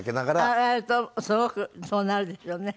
あるとすごくそうなるでしょうね。